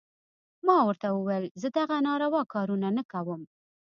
ما ورته وويل زه دغه ناروا کارونه نه کوم.